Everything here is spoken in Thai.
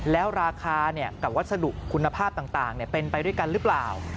แล้วราคากับวัสดุคุณภาพต่างเป็นไปด้วยกันหรือเปล่า